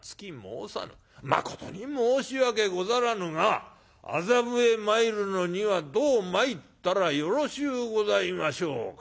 まことに申し訳ござらぬが麻布へ参るのにはどう参ったらよろしゅうございましょうか。